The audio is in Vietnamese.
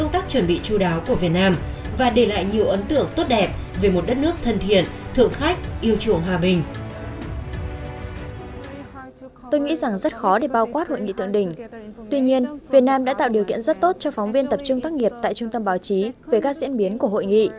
tuy nhiên việt nam đã tạo điều kiện rất tốt cho phóng viên tập trung tác nghiệp tại trung tâm báo chí về các diễn biến của hội nghị